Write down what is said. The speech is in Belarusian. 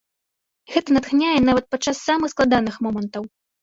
Гэта натхняе нават падчас самых складаных момантаў!